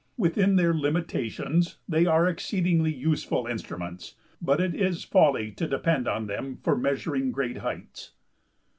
Within their limitations they are exceedingly useful instruments, but it is folly to depend on them for measuring great heights.